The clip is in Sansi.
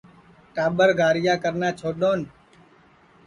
ٹاٻر گاریا کرنا چھوڈؔون